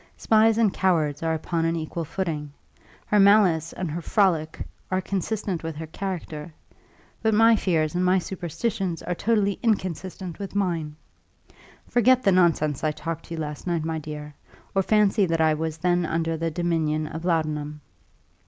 Spies and cowards are upon an equal footing. Her malice and her frolic are consistent with her character, but my fears and my superstition are totally inconsistent with mine. Forget the nonsense I talked to you last night, my dear, or fancy that I was then under the dominion of laudanum.